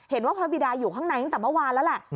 เห็นว่าพระบิดาอยู่ข้างในตั้งแต่เมื่อวานแล้วแหละ